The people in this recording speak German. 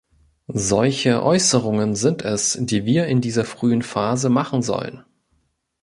Solche Äußerungen sind es, die wir in dieser frühen Phase machen sollen.